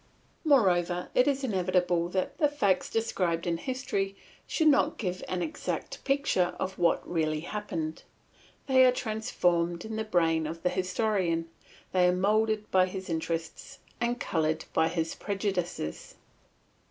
Moreover, it is inevitable that the facts described in history should not give an exact picture of what really happened; they are transformed in the brain of the historian, they are moulded by his interests and coloured by his prejudices.